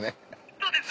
そうです。